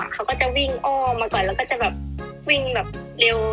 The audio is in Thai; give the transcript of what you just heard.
เขาก็จะวิ่งอ้อมาก่อนแล้วก็จะแบบวิ่งแบบเร็ว